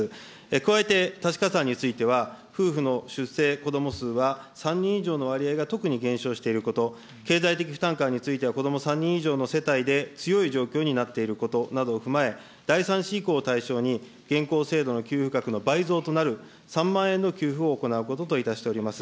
加えて、多子加算については、夫婦の出生子ども数は３人以上の割合が特に減少していること、経済的負担感については子ども３人以上の世帯で強い状況になっていることなどを踏まえ、第３子以降を対象に、現行制度の給付額の倍増となる３万円の給付を行うことといたしております。